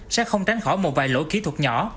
sẽ không tránh khỏi một vài lỗi kỹ thuật nhỏ